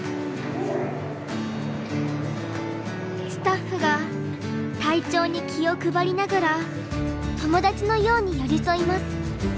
スタッフが体調に気を配りながら友だちのように寄り添います。